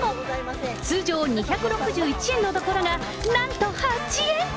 通常２６１円のところが、なんと８円。